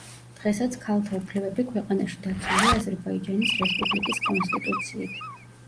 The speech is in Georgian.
დღესაც ქალთა უფლებები ქვეყანაში დაცულია აზერბაიჯანის რესპუბლიკის კონსტიტუციით.